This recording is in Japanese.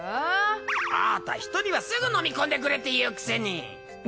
あた人にはすぐ飲み込んでくれって言うくせに。